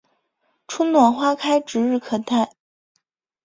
春暖花开指日可待